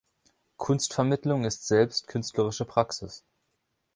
Kunstvermittlung ist selbst künstlerische Praxis.